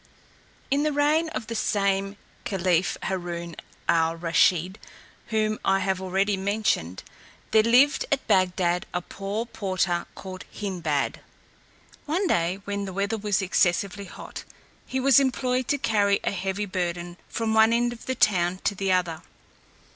In the reign of the same caliph Haroun al Rusheed, whom I have already mentioned, there lived at Bagdad a poor porter called Hindbad. One day, when the weather was excessively hot, he was employed to carry a heavy burden from one end of the town to the other.